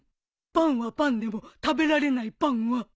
パンはパンでも食べられないパンは？